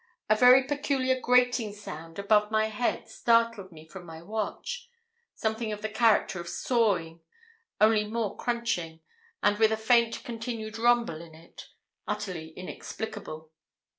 A very peculiar grating sound above my head startled me from my watch something of the character of sawing, only more crunching, and with a faint continued rumble in it utterly inexplicable.